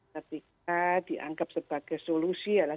ketika dianggap sebagai solusi adalah